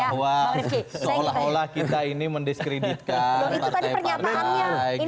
bahwa seolah olah kita ini mendiskreditkan partai partai